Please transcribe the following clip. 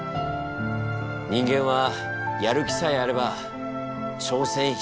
人間はやる気さえあれば挑戦し続けられる。